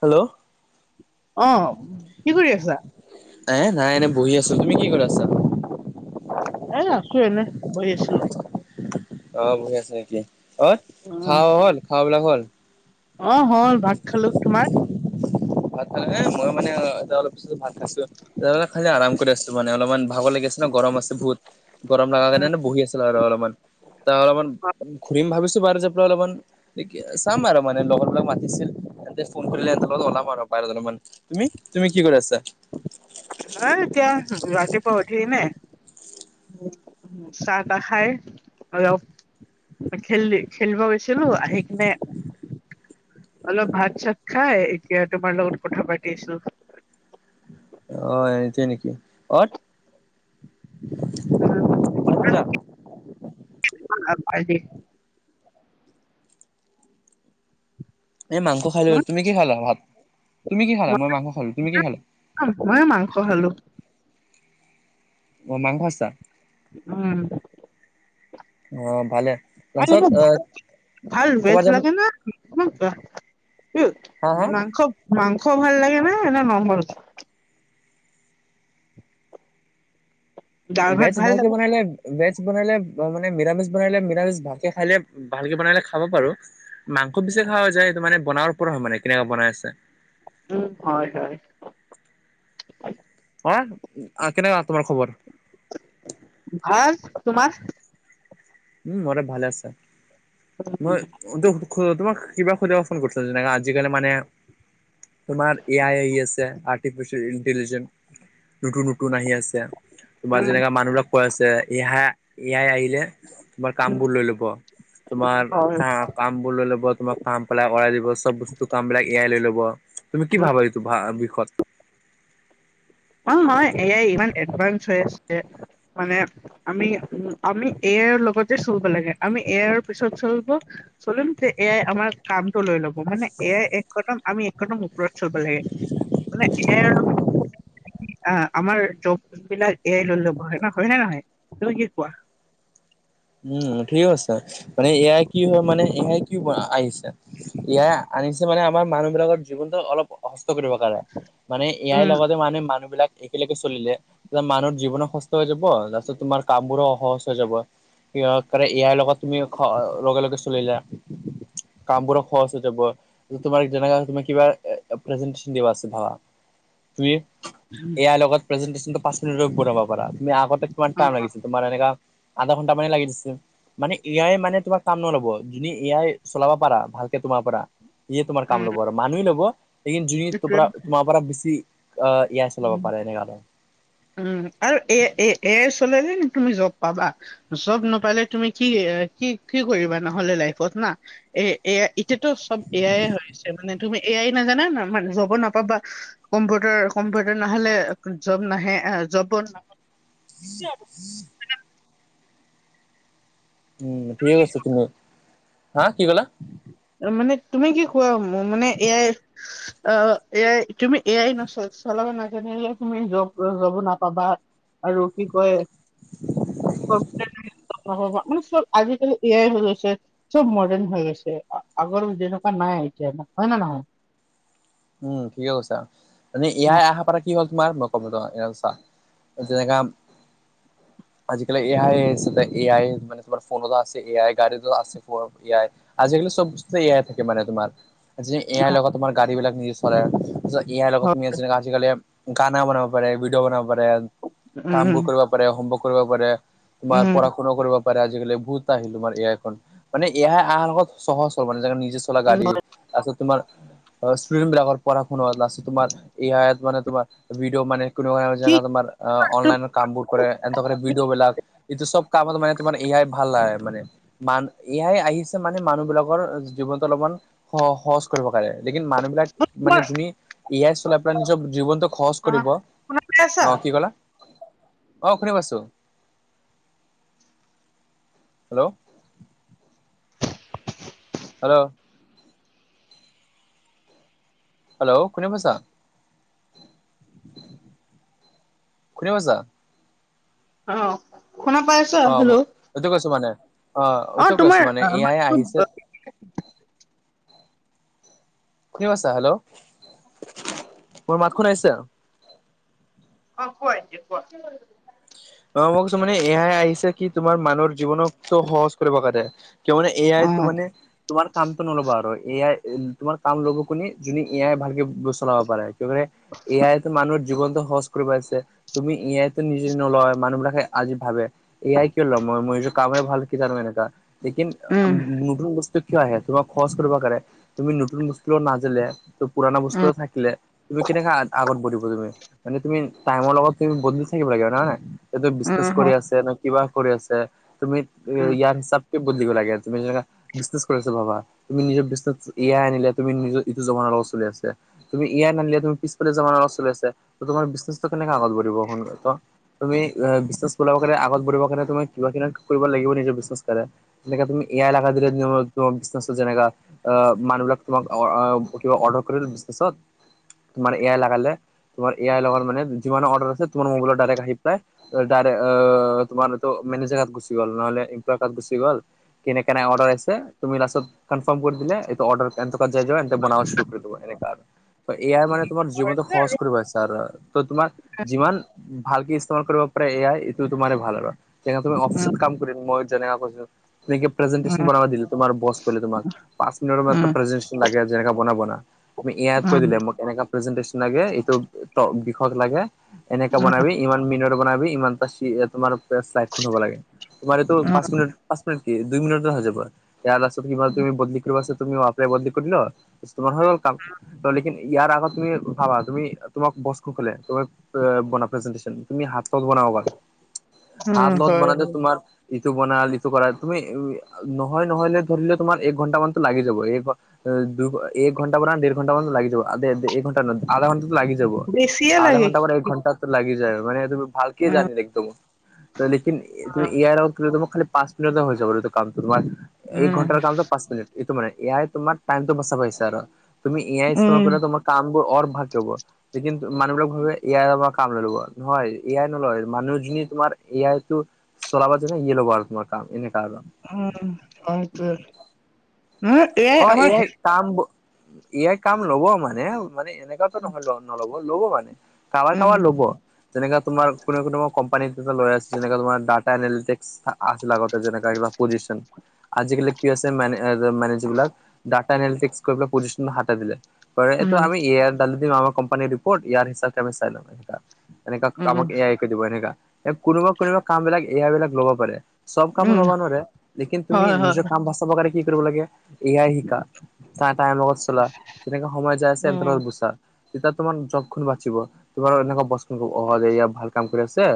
Hello অ কি কৰি আছা এ নাই এনে বহি আছো তুমি কি কৰি আছা এ আছো এনে বহি আছো অ বহি আছা নেকি অ খ হল খোৱাবিলাক হল অ হল ভাত খালো তোমাৰ ভাল খালে নে মইয়ো মানে এতিয়া অলপ পিছত ভাল খাইছো [unintelligible] খাই যে আৰাম কৰি আছো মানে অলপমান ভাগৰ লাগি আছে ন গৰম আছে বহুত গৰম লগাৰ কাৰণে, বহি আছিল আৰু অলপমান। তাৰ, অলপমান ঘূৰিম ভাবিছোঁ বাৰু যাই পেলাই অলপমান। চাম আৰু মানে, লগৰবিলাক মাতিছিল, এহঁতে ফোন কৰিলে, এহঁতৰ লগত ওলাম আৰু। [unintelligible] তুমি, তুমি কি কৰি আছা? [unintelligible] নাই, এতিয়া, ৰাতিপুৱা উঠি কেনে, চাহ-তাহ খায় আৰু খেলি খেলিব গৈছিলোঁ। আহি কিনে, অলপ ভাত-চাত খাই, এতিয়া তোমাৰ লগত কথা পাতি আছিলোঁ। অ'! এতিয়াই নেকি? [unintelligible] [unintelligible] এই মাংস খালোঁ, তুমি কি খালা ভাত? তুমি কি খালা? মই মাংস খালোঁ। তুমি কি খালা? অ'! মইয়ো মাংস খালোঁ। অ'! মাংস [unintelligible] উম! অ ভালে লাষ্টত অ [unintelligible] ভাল ভেজ ক'বাত যাব লাগে না [unintelligible] হা [unintelligible] হা মাংস, মাংস ভাল লাগে না, না ন'ন ভেজ? দাল ভাত ভেজ ভাল ভালকে লাগে বনাই লৈ আন। ভেজ বনালে মানে, নিৰামিষ বনালে, নিৰামিষ ভালকে খাই, ভালকে বনাই খাব পাৰোঁ। মাংস বেছি খোৱা হৈ যায়, সেইটো বনোৱাৰ ওপৰত হয় মানে, কেনেকুৱা বনাই আছে। উম! হয়, হয়। হা! কেনেকুৱা তোমাৰ খবৰ? ভাল! তোমাৰ? উম, মইতো ভালে আছে! মই, তোমাক কিবা সুধিব ফোন কৰিছিলোঁ, যেনেকা, আজিকালি মানে, তোমাৰ, এ আাই আহি আছে। [unintelligible] [unintelligible] ইণ্টেলিজেণ্ট, নতুন-নতুন আহি আছে। তোমাৰ, উম যেনেকা মানুহবিলাক কৈ আছে! [unintelligible] এ আই আহিলে, তোমাৰ কাম উম বোৰ লৈ ল'ব। উম তোমাৰ হয় কা কাম বুলি লৈ ল'ব, তোমাক কাম পেলাই কৰাই দিব, চব বস্তু কাম বিলাক এ আই লৈ ল'ব, তুমি কি উম ভাবা এইটো বিষয়ত? অ'! হয়, এ আই ইমান এডভান্স হৈ আছে। মানে, আমি, আমি এ আইৰ লগতে চলিব লাগে। আমি এ আইৰ পিছত, চলিব। চলিম যে, এ আই আমাৰ কামটো লৈ ল'ব। মানে, এ আই এক কদম, আমি একদম [unintelligible] লাগে। মানে, এ আই আৰু আঁ আমাৰ [unintelligible] বিলাক এ আই লৈ ল'ব, হয় নে নহয়! তুমি কি কোৱা? উম, ঠিক কৈছা! মানে, এ আই কি হয় মানে, এ আই কি পৰা আহিছে। এ আই আনিছে মানে, আমাৰ মানুহ বিলাকৰ জীৱনটো অলপ কষ্ট কৰিব কাৰণে। মানে, এ আই উম লগতে মানে, মানুহবিলাক একেলগে চলিলে, মানুহৰ জীৱনো কষ্ট হৈ যাব। তাৰপিছত, তোমাৰ কামবোৰো অসহজ হৈ যাব। [unintelligible] ইয়াৰ লগত তুমি, লগে- লগে চলিলে। কাম বোৰো খৰচ হৈ যাব। তোমাৰ যেনে, তুমি কিবা প্ৰেজেণ্টেছন দিব আছে, ভাবা? তুমি, এ আইৰ লগত প্ৰেজেণ্টেছন পাঁচ মিনিট পঢ়াব পাৰা, তুমি আগতে কিমান অ টাইম লাগিছিল! তোমাৰ এনেকা, আধা ঘণ্টা মানে লাগি দিছে। মানে, এ আই মানে, তোমাৰ কাম নল'ব। যদি, এ আই চলাব পাৰা, ভালকে তোমাৰ পৰা। ইয়ে তোমাৰ কাম উম ল'ব আৰু। মানুহেই ল'ব, লিন [unintelligible] এইটোৱে তোমাৰ পৰা বেছি অ'! এ আই উম চলাব পাৰে, এনেকাতে। উম! আৰু এ-এ-এ এ আই চলালে, তুমি জব পাবা। জব নাপালে তুমি কি কি কি কৰিবা নহ'লে লাইফত না? এ এয়া এতিয়াতো চব এ আই য়েই হৈছে মানে তুমি এ আই নাজানা ন মানে জব নাপাবা। কম্পিউটাৰ কম্পিউটাৰ নহলে জব নাহে জবত [unintelligible] উম ঠিকে কৈছা তুমি। হা কি কলা? মানে তুমি কি কোৱা মানে A I O A I তুমি এ আই নচ চলাব নাজানিলে তুমি জব জবো নাপাবা। আৰু কি কয় মানে চব আজিকালি এয়াই হৈ গৈছে চব মডাৰ্ণ হৈ গৈছে। আগৰ যেনেকুৱা নাই এতিয়া হয় নে নহয়। উম ঠিকে কৈছা মানে এ আই আহাৰ পৰা কি হ'ল তোমাৰ [unintelligible] আজিকালি এ আই এ আই মানে তোমাৰ ফোনত আছে এ আই গাড়ীতো আছে। এয়াই আজিকালি চব বস্তু এয়াই থাকে মানে তোমাৰ। আজি এ আই লগত তোমাৰ গাড়ীবিলাক নি চলাই আছে এ আই লগত হয় তুমি আজিকালি গানা বনাব পাৰে ভিডিঅ' বনাব পাৰে কাম উম বোৰ কৰিব পাৰে হোমৱৰ্ক কৰিব পাৰে তোমাৰ উম পঢ়া-শুনাও কৰিব পাৰে আজিকালি বহুত আহিলো তোমাৰ এ আই খন মানে এ আই আহাৰ লগত সহজ হল মানে নিজে চলা উম গাড়ী তাৰপিছত তোমাৰ ষ্টুডেণ্ট বিলাকৰ পঢ়া-শুনা আছে তোমাৰ এ আই মানে তোমাৰ ভিডিও মানে কি তোমাৰ অনলাইনৰ কামবোৰ কৰে এনে এইটো কৰে ভিডিঅ'বলাক। এইটো সব কামত মানে তোমাৰ এ আই ভাল লাগে মানে। মান এ আই আহিছে মানে মানুহ বিলাকৰ জীৱনতটো অলপমান স-সহজ কৰিব কাৰণে লেকিন মানুহবিলাক মানে তোমাৰ যদি এ আই চলে আপোনাৰ নিজৰ জীৱনটো সহজ অ কৰিব। শুনা পাই আছা অ কি কলা? অ শুনা পাইছোঁ। হেল্ল'। হেল্ল'। হেল্ল' কোনে কৈছা কোনে কৈছা? অ শুনা পাই ছা অ হেল্ল' এইটো কৈছো মানে অ এইটো কৈছো তোমাৰ মানে এ আই মাতটো আহিছে শুনি পাইছা হেল্ল। মোৰ মাত খন আহিছে? অ কোৱা এতিয়া কোৱা। অ মই কৈছো মানে এ আই আহিছে কি তোমাৰ মানুহৰ জীৱনক সহজ কৰিব কাৰণে। কিয় মান এ অ আইটো মানে তোমাৰ কামটো নল'বা আৰু এ আই তোমাৰ কাম ল'ব কোনে যোনে এ আই ভালকে চলাব পাৰে এ আইতো মানুহৰ জীৱনটো সহজ কৰিব আহিছে তুমি এ আইতো নিজে নলয় মানুহ বিলাকে আজি ভাবে এ আই কিয় লম মই নিজে কামে ভালকে জানো এনেকা লেকীন উম নতুন বস্তু কিয় আহে তোমাক খৰচ কৰিব কাৰনে তুমি নতুন বস্তু নাজিলে ত পুৰণা বস্তু উম থাকিলে তুমি কেনেকে আগত বঢ়িব তুমি। মানে তুমি টাইমৰ লগত তুমি বদলি থাকিব লাগে হয় নাই উম বিজনেছ হ কৰি আছে কিবা কৰি আছে তুমি উম ইয়াৰ হিচাপকে বদলিব লাগে তুমি যেনে বিজনেজ কৰি আছে বাবা তুমি নিজৰ বিজনেছ এ আই আনিলে তুমি নিজৰ ইটো জমানাৰ লগত চলি আছে। তুমি এ আই নানিলে তুমি পিছ ফালে জামানাৰ লগত চলি আছে তোমাৰ বিজনেছটো কেনেকে আগবাঢ়িব কোৱা। তুমি অ বিজনেছ বঢ়াবৰ কাৰণে আগত বঢ়াবৰ কাৰণে তুমি কিবা কিবি কৰিব লাগিব নিজৰ বিজনেছ কাৰণে যেনেকে তুমি এয়া এলেকাত যদি তোমাৰ বিজনেছটো যেনেকা আহ মানুহ বিলাক তোমাক অ কিবা অৰ্ডাৰ কৰিলে বিজনেছত তোমাৰ এ আই লগালে তোমাৰ এ আই লগত মানে যিমান অৰ্ডাৰ আছে তোমাৰ মোবাইলত ডাইৰেক্ট আহি পেলাই ত ডাইৰেক্ট অ তোমাৰতো মেনেজাৰ গুচি গ'ল নহ'লে এমপ্লয় এটা গুচি গ'ল কেনে কেনাই অৰ্ডাৰ আছে তুমি লাষ্টত কনফাৰ্ম কৰি দিলে এইটো অৰ্ডাৰ এন তাত যাই য এ বনাচ কৰি দিব এনেকোৱা এ আই মানে উম তোমাৰ উম জীৱনটো সহজ কৰিব আহিছে আৰু ত তোমাৰ যিমান ভালকে মাৰ কৰিব পাৰে এ আই এইটো তোমাৰে ভাল আৰু যেনে তুমি অফিচত কাম কৰিম মই যেনেকা কৈছো যেনেকে উম প্ৰেজেণ্টেচন বনাব দিলো তোমাৰ বছ কলে তোমাক পাঁচ মিনিটত এটা উম প্ৰেজেণ্টেচন লাগে যেনেকা বনাব না তুমি এ আইত কৈ উম দিলে মোক এনেকা প্ৰেজেন্টেচন লাগে এইটো ত বিষয়ত লাগে এনেকা বনাবি ইমান মিনিটৰ বনাবি ইমানটা চিজৰ তোমাৰ চাইড বনাব লাগে তোমাৰ এইটো উম পাঁচ মিনিট পাঁচ মিনিট কি দুই মিনিটতে হৈ যাব। ইয়াৰ পাছত কি তুমি বদলি কৰিব আছে তুমি ৱাহা পে বদলি কৰি ল তোমাৰ হৈ গল কাম। ত লেকিন ইয়াৰ আগত তুমি ভাবা তুমি তোমাক বচ সকলে তুমি বনা প্ৰেজেণ্টেচন তুমি হাতত বনাব পাৰা উম হাতত হয় বনালে হয় তোমাৰ ইটো বনাল ইটো কৰা তুমি নহয় নহলে ধৰি লোৱা তোমাৰ এক ঘন্টা মানতো লাগি যাব এই ঘ দু এক ঘণ্টা মান নে দেৰ ঘণ্টা মান লাগি যাব এক ঘণ্টা নহয় আধা ঘণ্টা তো লাগি যাব বেছিয়ে আধা লাগে ঘণ্টা পৰা এক ঘণ্টাতো লাগি যায় আৰু উম একদম লেকিন তুমি এ আই লগত খালি পাঁচ মিনিট হৈ যাব এইটো কামটো তোমাৰ এক উম ঘণ্টাৰ কামতো পাঁচ মিনিট সেইটো মানে এ আই তোমাক টাইমটো বচাব আহিছে আৰু তুমি এ আই ইস্তেমাল উম কৰিলে তোমাৰ কামোবোৰ অৰ ভাল হব লেকিন মানুহবিলাক ভাবে এ য়াই আমাৰ কাম লৈ লব নহয় এ আই নলয় মানুহখিনি তোমাৰ এ আইতো চলাব জানিলে ইয়ে লব আৰু তোমাৰ কাম তেনেকা আৰু উম সেইটোৱে উম অ A I come A I come লব মানে মানে এনেকাতো নহয় বাও নল'ব ল'ব পাৰে কাবাৰ উম। কাবাৰ ল'ব যেনেকে তোমাৰ কোনো কোনো কম্পানীত এ লয় আছে যেনেকে তোমাৰ ডাটা এনালিটিক্স আছিল আগতে যেনেকা এইবিলাক পজিছন আজিকালি কি হৈছে মানে অ যে মা যিবিলাক ডাটা এনিলিটিক্স কৰিবলৈ পজিচন হতাই দিলে কৰে এইটো উম, আমি এ আই ডালি দিম আমাৰ কোম্পানীৰ ৰিপৰ্ট এ আই হিচাপে চাই লম এটা এনেকা উম, কামক এ আই কৰি দিব এনেকা এ কোনোবা কোনোবা কাম বিলাক এ আই বিলাক লব পাৰে। চব কাম উম, ল'বা নোৱাৰে লেকিন তুমি হয়, হয়, নিজৰ কাম বচাব কাৰনে কি কৰিব লাগে এ আই শিকা তা টাইমত চলা তেনেকা সময় যায় আছে তেনেকা উম। গুচা তেতিয়া তোমাৰ জবখন বাচিব তোমাৰ এনেকোৱা বস্তু অহ দে ইয়াৰ ভাল কাম কৰি আছে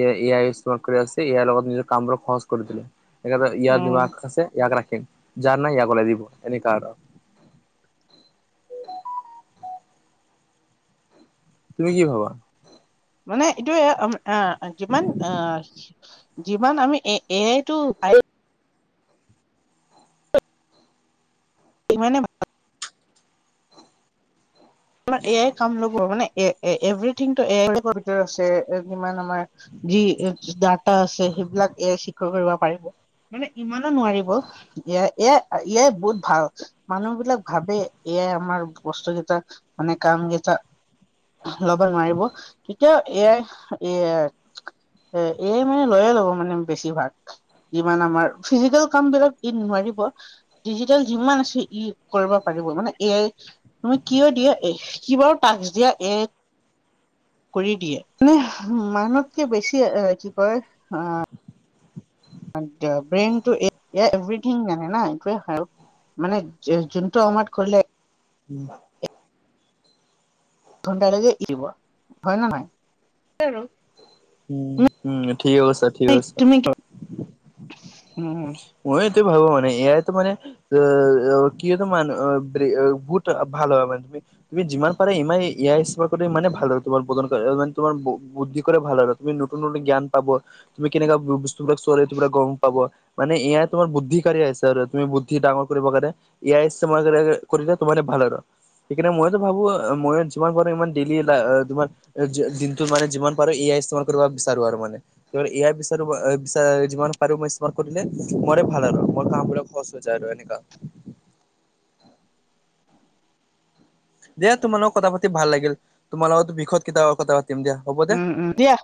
এ আই এ আই ইষ্টমাল কৰি আছে ইয়াৰ লগত নিজৰ কামবোৰ সহজ কৰি দিলে এনেকোৱা ইয়াত উম, যিমান আছে ইয়াক ৰাখিম যাৰ নাই ইয়াক ওলাই দিব এনেকোৱা আৰু তুমি কি ভাবা? মানে এইটোয়ে আহ যিমান আহ যিমান আমি এ এ আইতো সিমানে ভা আমাৰ এ আই কাম ল'ব মানে এ এ এভৰিথিং টো এ আই কম্পিউটাৰ আছে যিমান আমাৰ যি ডাটা আছে সেইবিলাক এ আই শিকিব কৰিব পাৰিব। মানে ইমানো নোৱাৰিব এ আই এ আই বহুত ভাল মানুহ বিলাক ভাবে এ আই আমাৰ বস্তু কেইটা মানে কাম কেইটা ল'ব নোৱাৰিব তেতিয়া এয়াই এ এ এ মানে লৈয়ে ল'ব মানে বেছিভাগ। যিমান আমাৰ, ফিজিকেল কাম বিলাক ই নোৱাৰিব। ডিজিটেল যিমান আছে ই কৰিব পাৰিব মানে এয়াই তুমি কিয় দিয়া এ কি বাৰু টাস্ক দিয়া এক কৰি দিয়ে মানে মানুহতকে বেছি কি কয় এৱ ব্ৰেইন টো এভৰিথিং নানে ন ই হ আৰু মানে যোনটো সময়ত খোলে উম। ঘণ্টা লাগে এনেকুৱা হয় নে নাই? উম উম ঠিকে কৈছা। ঠিক এইড কৈছা তুমি তৰ উম। মই এইটো ভাবো মানে এ আইটো মানে অ কিহ তো মানে ক'ত ভাল হয় মানে তুমি তুমি যিমান পাৰে ইমানে ইয়াস্পকতে মানে ভাল আৰু তোমাৰ বদন ম তোমাৰ বুদ্ধি কৰে ভাল আৰু তুমি নতুন নতুন জ্ঞান পাব তুমি কেনেকুৱা বস্তু বিলাক চলে গ'ম পাব। মানে এয়াই তোমাৰ বুদ্ধিকাৰী আছে আৰু তুমি বুদ্ধি ডাঙৰ কৰিব কাৰণে এইয়াই ইষ্টেমাল কৰিলে তোমাল ভাল আৰু সেইকাৰণে মইতো ভাবো মই যিমান পাৰো ইমান ডেইলি তোমাৰ দিনটোত মানে যিমান পাৰো এইয়াই ইনষ্টল কৰিব বিচাৰো মানে এয়াই বিচাৰো যিমান পাৰো মই কৰিলে মৰে ভাল আৰু মোৰ কামবোৰ সহজ যায় আৰু এনেকা। দিয়া তোমাৰ লগত কথা পাতি ভাল লাগিল তোমাল লগতো বিষত কেতিয়াবা কথা পাতিম দিয়া। হ'ব দে। উম, উম দিয়া।